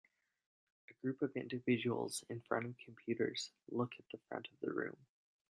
A group of individuals in front of computers look at the front of the room.